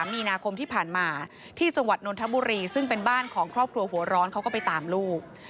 มีนาคมที่ผ่านมาที่จังหวัดนนทบุรีซึ่งเป็นบ้านของครอบครัวหัวร้อนเขาก็ไปตามลูก